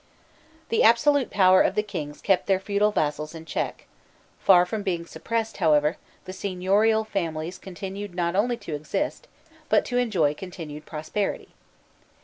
The absolute power of the kings kept their feudal vassals in check: far from being suppressed, however, the seignorial families continued not only to exist, but to enjoy continued prosperity.